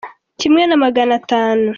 kimwe na magana atatu.